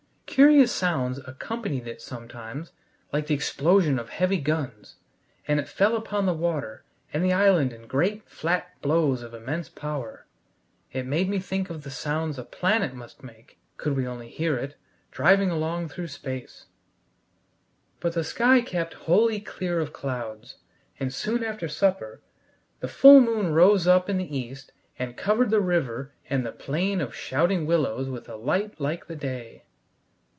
Curious sounds accompanied it sometimes, like the explosion of heavy guns, and it fell upon the water and the island in great flat blows of immense power. It made me think of the sounds a planet must make, could we only hear it, driving along through space. But the sky kept wholly clear of clouds, and soon after supper the full moon rose up in the east and covered the river and the plain of shouting willows with a light like the day.